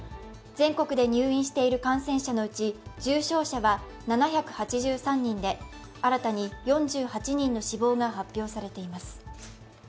全国で入院している感染者のうち重症者は７８３人で新たに４８人の死亡が発表されています。